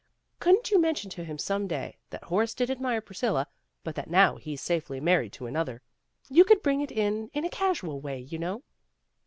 "Couldn't you mention to him some day that Horace did admire Priscilla, but that now he's safely married to another. You could bring it in in a casual way, you know."